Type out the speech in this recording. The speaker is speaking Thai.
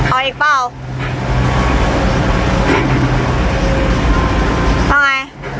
เอาอีกเปล่า